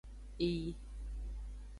Eyi.